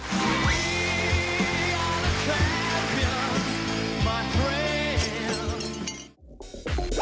มันเพลง